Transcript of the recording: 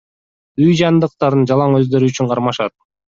Үй жандыктарын жалаң өздөрү үчүн кармашат.